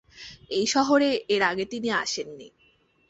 এই শহরে এর আগে তিনি আসেন নি।